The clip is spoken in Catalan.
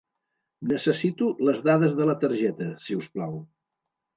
Necessito les dades de la targeta, si us plau.